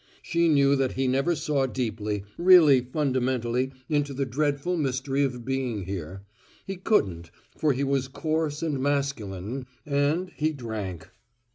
She knew that he never saw deeply, really fundamentally into the dreadful mystery of being here; he couldn't for he was coarse and masculine and he drank.